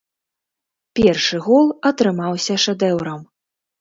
Першы гол атрымаўся шэдэўрам.